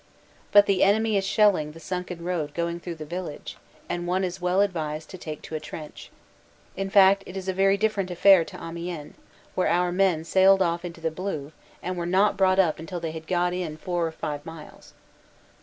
But the enemy is shelling the sunken road going through the village and one is well advised to take to a trench. In fact it is a very different affair to Amiens, where our men sailed off into the blue and were not brought up until they had got in four or five miles.